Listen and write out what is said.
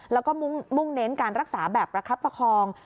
แล้วก็มุ่งเน้นการรักษาแบบประคับประคอง